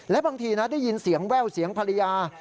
และบางทีนะได้ยินเสียงแว่วเสียงภรรยา